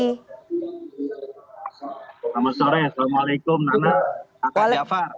selamat sore assalamualaikum nana